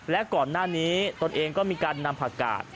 และก่อนหน้านี้ตนเองก็มีการนำผักกาด